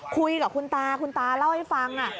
คุยกับคุณตาคุณตาเล่าให้ฟัง